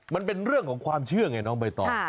มันเป็นเรื่องของความเชื่อไงน้องใบตอง